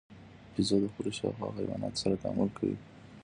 بیزو د خپلو شاوخوا حیواناتو سره تعامل کوي.